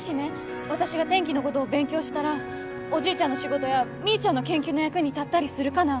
私が天気のごどを勉強したらおじいちゃんの仕事やみーちゃんの研究の役に立ったりするかな？